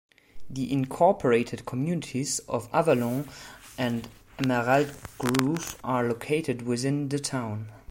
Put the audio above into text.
The unincorporated communities of Avalon, and Emerald Grove are located within the town.